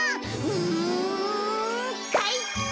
うんかいか！